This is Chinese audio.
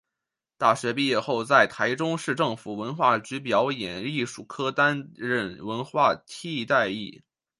大学毕业后在台中市政府文化局表演艺术科担任文化替代役。